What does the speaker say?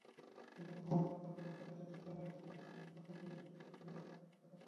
গতকাল মঙ্গলবার সরেজমিনে দেখা যায়, বিদ্যালয়ের অষ্টমসহ অন্যান্য শ্রেণির বার্ষিক পরীক্ষা হচ্ছে।